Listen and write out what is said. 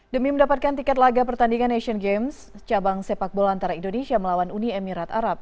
demi mendapatkan tiket laga pertandingan asian games cabang sepak bola antara indonesia melawan uni emirat arab